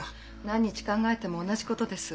何日考えても同じことです。